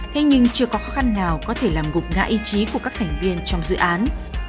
thế nhưng chưa có khó khăn nào có thể làm gục ngã ý chí của các thành viên trong dự án